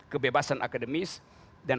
kebebasan akademis dan